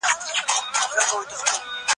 زه اوس کښېناستل کوم.